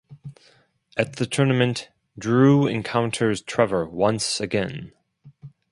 At the tournament, Drew encounters Trevor once again.